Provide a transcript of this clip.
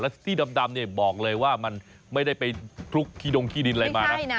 ซี่ดำเนี่ยบอกเลยว่ามันไม่ได้ไปคลุกขี้ดงขี้ดินอะไรมานะ